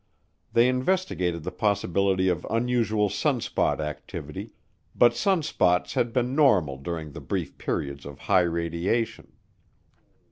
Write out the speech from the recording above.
They investigated the possibility of unusual sunspot activity, but sunspots had been normal during the brief periods of high radiation.